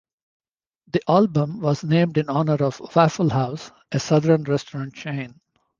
The album was named in honor of Waffle House, a southern restaurant chain.